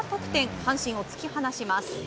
阪神を突き放します。